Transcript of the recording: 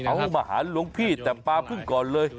เอามาหาหลวงพี่แต่ปลาพึ่งก่อนเลย